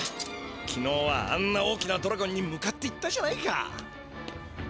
きのうはあんな大きなドラゴンに向かっていったじゃないか！